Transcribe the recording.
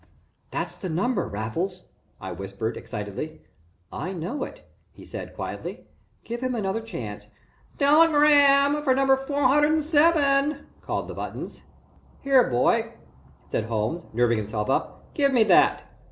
"That's the number, Raffles," I whispered, excitedly. "I know it," he said, quietly. "Give him another chance " "Telegram for number four hundred and seven," called the buttons. "Here, boy," said Holmes, nerving himself up. "Give me that."